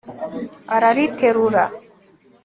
arariterura